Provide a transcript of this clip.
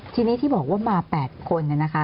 ทีนี้ที่บอกว่ามา๘คนเนี่ยนะคะ